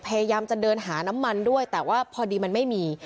พยายามจะเดินหาน้ำมันด้วยแต่ว่าพอดีมันไม่มี